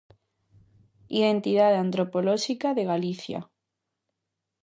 Identidade antropolóxica de Galicia.